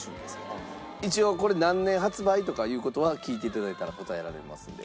一応これ何年発売とかいう事は聞いていただいたら答えられますんで。